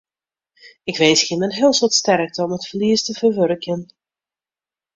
Ik winskje jimme in heel soad sterkte om it ferlies te ferwurkjen.